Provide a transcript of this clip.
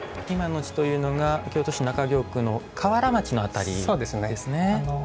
今の地というのが京都市中京区の河原町の辺りですね。